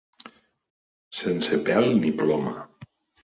Sense pèl ni ploma.